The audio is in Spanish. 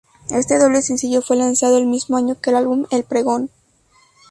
Este doble sencillo fue lanzado el mismo año que el álbum El pregón.